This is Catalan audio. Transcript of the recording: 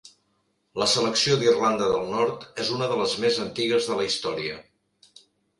La selecció d'Irlanda del Nord és una de les més antigues de la història.